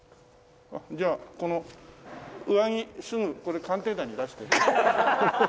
じゃあこの上着すぐこれ『鑑定団』に出して。